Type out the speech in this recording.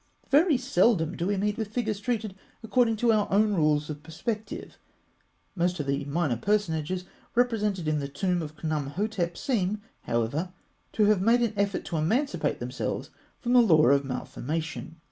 Very seldom do we meet with figures treated according to our own rules of perspective. Most of the minor personages represented in the tomb of Khnûmhotep seem, however, to have made an effort to emancipate themselves from the law of malformation.